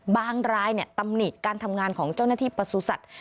บางรายเนี่ยตำหนิกการทำงานของเจ้าหน้าที่ประสูจน์สัตว์